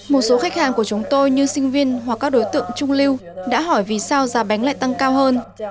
một số khách hàng của chúng tôi như sinh viên hoặc các đối tượng trung lưu đã hỏi vì sao giá bánh lại tăng cao hơn